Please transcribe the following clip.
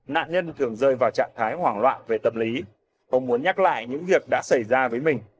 nạn nhân thường rơi vào trạng thái hoảng loạn về tâm lý ông muốn nhắc lại những việc đã xảy ra với mình